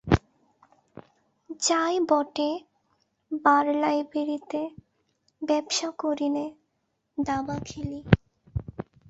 যাই বটে বার-লাইব্রেরিতে, ব্যবসা করি নে, দাবা খেলি।